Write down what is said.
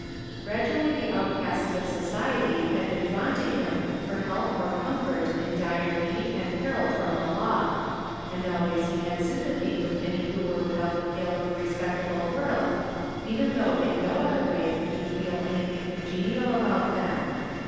Gradually the outcasts of society had been drawn to him for help or comfort in dire need and peril f rcmi the law; and always he had s)mipathy with any who were without the pale of the respectable world, even though in no other way could he feel anything con genial about them.